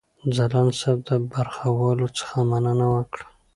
ځلاند صاحب د برخوالو څخه مننه وکړه.